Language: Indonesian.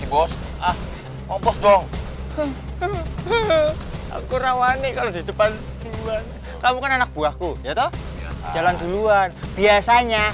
bos ah opos dong aku rawani kalau di depan kamu kan anak buahku jalan duluan biasanya